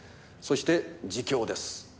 そして自供です。